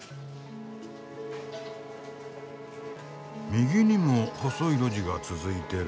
右にも細い路地が続いてる。